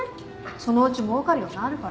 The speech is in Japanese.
そのうちもうかるようになるから。